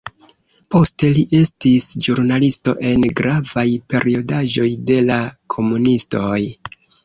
Poste li estis ĵurnalisto en gravaj periodaĵoj de la komunistoj.